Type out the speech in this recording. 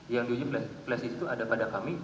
yang diuji flashdisk itu ada pada kami